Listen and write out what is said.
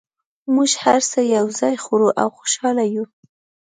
موږ هر څه یو ځای خورو او خوشحاله یو